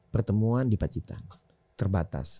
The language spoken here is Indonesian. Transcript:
pertemuan di pacitan terbatas